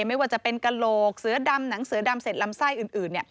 ไม่ว่าจะเป็นกระโหลกเสือดำหนังเสือดำเสร็จลำไส้อื่น